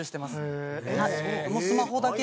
もうスマホだけで。